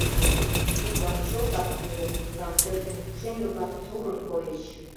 Коклан чотак йӱрӧ, тунам пӧрт ден пушеҥге-влак сурын койыч.